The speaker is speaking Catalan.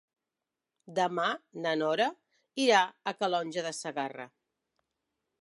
Demà na Nora irà a Calonge de Segarra.